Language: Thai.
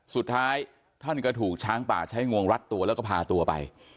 สุดท้ายท่านก็ถูกช้างป่าใช้งวงรัดตัวแล้วก็พาตัวไป